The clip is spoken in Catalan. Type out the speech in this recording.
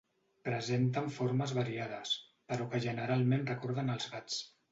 Presenten formes variades, però que generalment recorden els gats.